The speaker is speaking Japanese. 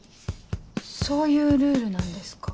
そういうルールなんですか？